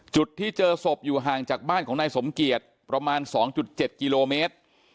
จุดที่เจอศพอยู่ห่างจากบ้านของนายสมเกียจประมาณ๒๗กิโลเมตร